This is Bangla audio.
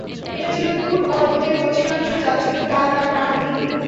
এটা ছিল তূর পর্বতের পশ্চিমাংশ যা ছিল তার ডান দিকে।